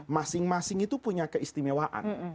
masing masing itu punya keistimewaan